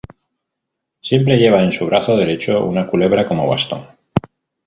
Siempre lleva en su brazo derecho una culebra como bastón.